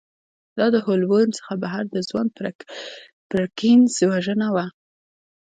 دا د هولبورن څخه بهر د ځوان پرکینز وژنه وه